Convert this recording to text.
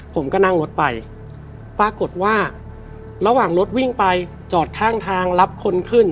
ผมก็นั่งรถไปปรากฏว่าระหว่างรถวิ่งไปจอดข้างทางรับคนขึ้น